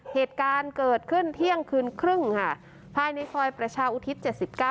เหตุการณ์เกิดขึ้นเที่ยงคืนครึ่งค่ะภายในซอยประชาอุทิศ๗๙